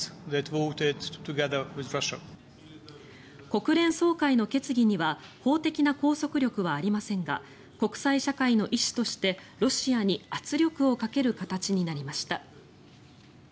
国連総会の決議には法的な拘束力はありませんが国際社会の意思として、ロシアに圧力をかける形になりました。